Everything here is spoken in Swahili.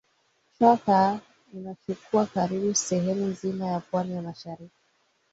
Chwaka inachukua karibu sehemu nzima ya pwani ya mashariki